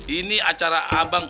ini acara abang